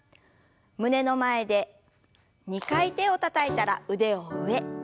胸の前で２回手をたたいたら腕を上。